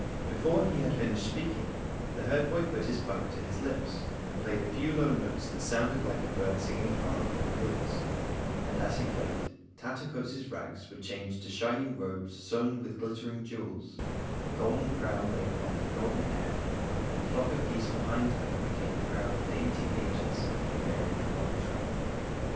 Before he had finished speaking, the herdboy put his pipe to his lips and played a few low notes that sounded like a bird singing far off in the woods; and as he played, Tattercoats' rags were changed to shining robes sewn with glittering jewels, a golden crown lay upon her golden hair, and the flock of geese behind her, became a crowd of dainty pages, bearing her long train.